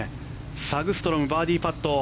サグストロムバーディーパット。